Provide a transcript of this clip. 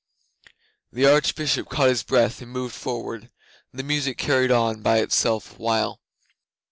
The Archbishop caught his breath and moved forward. The music carried on by itself a while.